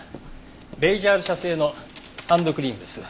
ベイジャール社製のハンドクリームです。